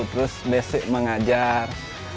terus basic mengajar